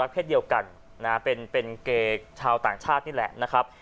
เพศเดียวกันเป็นเกย์ชาวต่างชาตินี่แหละนะครับ